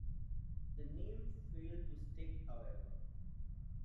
The name failed to stick, however.